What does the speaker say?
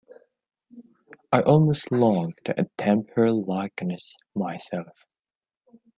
I almost long to attempt her likeness myself.